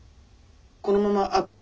このままあっ